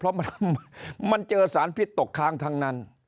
เพราะมันเจอสารพิษตกค้างทั้งนั้น